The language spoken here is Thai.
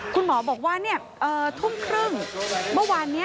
คุณหมอบอกว่าทุ่มครึ่งเมื่อวานนี้